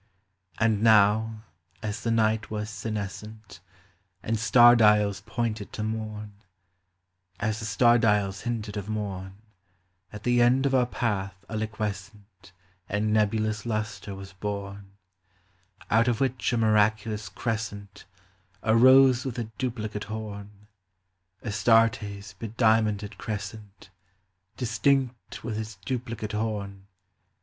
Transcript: And now, as the night was senescent And star dials pointed to morn, As the star dials hinted of morn, At the end of our path a liquescent And nebulous lustre was born, Out of which a miraculous crescent Arose with a duplicate horn, Astarte's bediamonded crescent Distinct with its duplicate horn 154 POEMS OF FANCY.